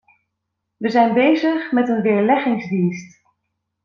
We zijn bezig met een weerleggingsdienst.